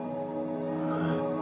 えっ？